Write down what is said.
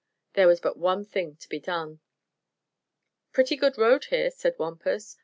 There was but one thing to be done. "Pretty good road here," said Wampus.